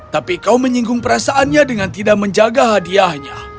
tapi kau menyinggung perasaannya dengan tidak menjaga hadiahnya